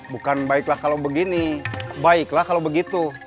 bukan baiklah kalau begini baiklah kalau begitu